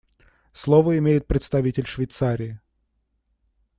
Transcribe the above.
Слово имеет представитель Швейцарии.